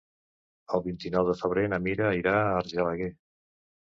El vint-i-nou de febrer na Mira irà a Argelaguer.